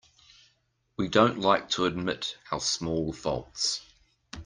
We don't like to admit our small faults.